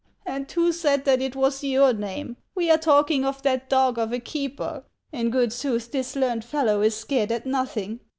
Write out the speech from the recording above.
And who said that it was your name ? We are talk ing of that dog of a keeper. In good sooth, this learned fellow is scared at nothing.